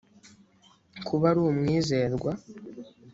kuba ari umwizerwa